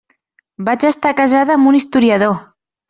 Vaig estar casada amb un historiador.